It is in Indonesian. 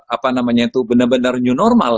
apa namanya itu benar benar new normal